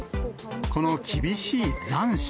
この厳しい残暑。